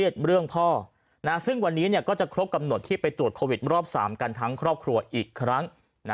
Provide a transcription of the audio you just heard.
ตรวจโควิดรอบ๓กันทั้งครอบครัวอีกครั้ง